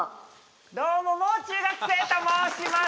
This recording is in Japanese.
どうももう中学生と申します。